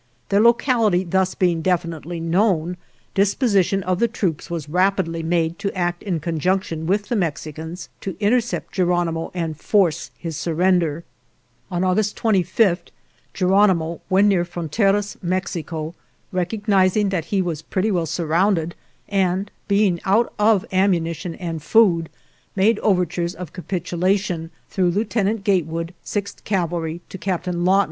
" Their locality thus being definitely known, disposition of the troops was rapidly made to act in conjunction with the Mexi cans to intercept Geronimo and force his surrender. " On August 25 Geronimo, when near Fronteraz, Mexico, recognizing that he was pretty well surrounded, and being out of ammunition and food, made overtures of capitulation, through Lieutenant Gate wood, Sixth Cavalry, to Captain Lawton.